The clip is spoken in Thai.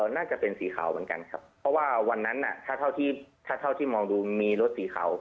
น่าจะเป็นสีขาวเหมือนกันครับเพราะว่าวันนั้นน่ะถ้าเท่าที่ถ้าเท่าที่มองดูมีรถสีขาว